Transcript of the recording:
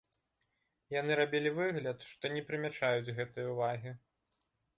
Яны рабілі выгляд, што не прымячаюць гэтай увагі.